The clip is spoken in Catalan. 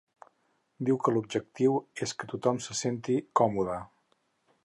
Diu que l’objectiu és que ‘tothom se senti còmode’.